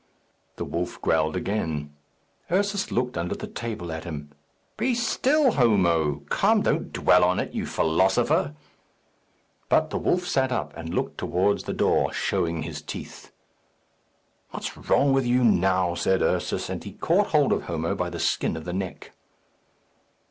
The wolf growled again. Ursus looked under the table at him. "Be still, Homo! Come, don't dwell on it, you philosopher!" But the wolf sat up, and looked towards the door, showing his teeth. "What's wrong with you now?" said Ursus. And he caught hold of Homo by the skin of the neck.